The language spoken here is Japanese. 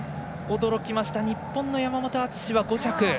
驚きました、日本の山本篤は５着。